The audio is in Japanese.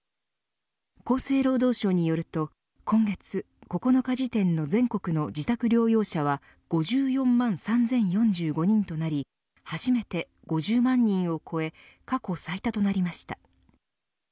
厚生労働省によると今月９日時点の全国の自宅療養者は５４万３０４５人となり初めて５０万人を超え過去最多となりました。